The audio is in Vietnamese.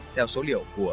theo số liệu của